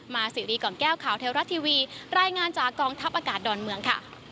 สิริกล่อมแก้วข่าวเทวรัฐทีวีรายงานจากกองทัพอากาศดอนเมืองค่ะ